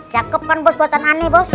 cakep kan bos buatan ane bos